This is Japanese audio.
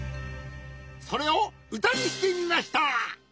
それをうたにしてみました！